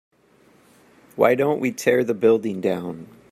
why don't we tear the building down?